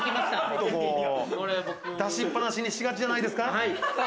出しっ放しにしがちじゃないですか？